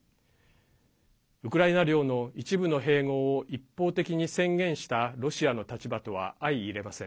ウクライナ領の一部の併合を一方的に宣言したロシアの立場とは相いれません。